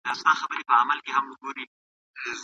که پس انداز زيات وي پانګونه به وده وکړي.